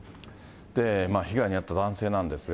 被害に遭った男性なんですが。